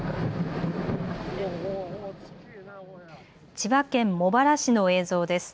千葉県茂原市の映像です。